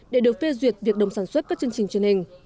để được phê duyệt việc đồng sản xuất các chương trình truyền hình